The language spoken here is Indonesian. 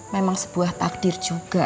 memang sebuah takdir juga